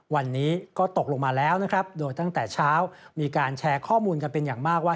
วันนี้ก็ตกลงมาแล้วนะครับโดยตั้งแต่เช้ามีการแชร์ข้อมูลกันเป็นอย่างมากว่า